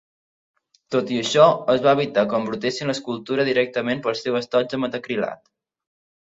Tot i això, es va evitar que embrutessin l'escultura directament pel seu estoig de metacrilat.